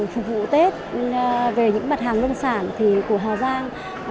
phục vụ tết về những mặt hàng nông sản của hà giang